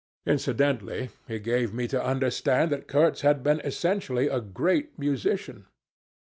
Incidentally he gave me to understand that Kurtz had been essentially a great musician.